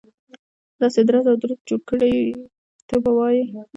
داسې درز او دروز جوړ کړي ته به وایي.